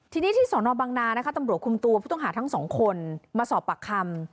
ทีนี้ที่สนบังนานะคะตำรวจคุมตัวผู้ต้องหาทั้งสองคนมาสอบปากคำ